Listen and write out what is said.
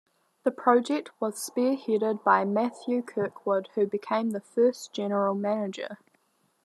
The project was spearheaded by Matthew Kirkwood who became the first general manager.